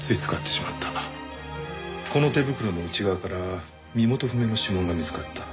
この手袋の内側から身元不明の指紋が見つかった。